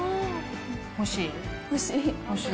欲しい？